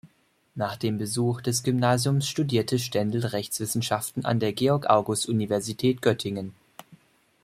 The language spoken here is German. Nach dem Besuch des Gymnasiums studierte Stendel Rechtswissenschaften an der Georg-August-Universität Göttingen.